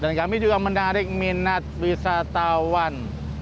dan kami juga menarik minat wisatawan